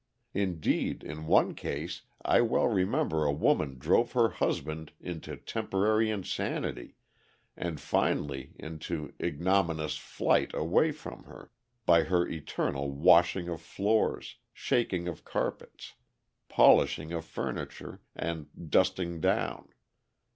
Indeed, in one case I well remember a woman drove her husband into temporary insanity, and finally into ignominious flight away from her, by her eternal washing of floors, shaking of carpets, polishing of furniture, and dusting down.